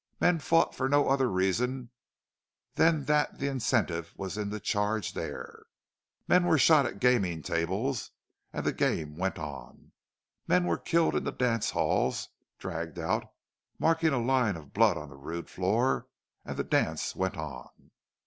Men fought for no other reason than that the incentive was in the charged air. Men were shot at gaming tables and the game went on. Men were killed in the dance halls, dragged out, marking a line of blood on the rude floor and the dance went on.